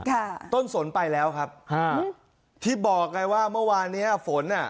ค่ะต้นสนไปแล้วครับฮะที่บอกไงว่าเมื่อวานเนี้ยฝนอ่ะ